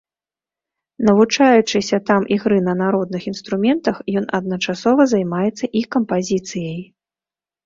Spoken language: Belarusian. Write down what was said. Навучаючыся там ігры на народных інструментах, ён адначасова займаецца і кампазіцыяй.